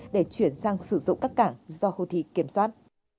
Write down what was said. để chuyển sang sử dụng các cảng do houthi kiểm soát